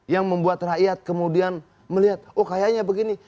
yang membuat rakyat kemudian melihat oh kayaknya begini